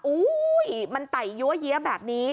อู๋มันไต่ยัวเยี๊ยบแบบนี้